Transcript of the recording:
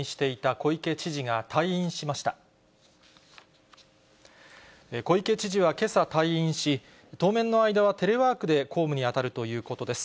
小池知事はけさ、退院し、当面の間はテレワークで公務に当たるということです。